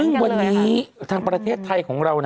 ซึ่งวันนี้ทางประเทศไทยของเรา